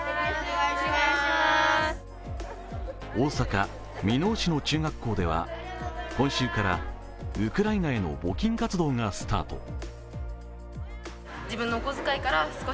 大阪・箕面市の中学校では今週から、ウクライナへの募金活動がスタート。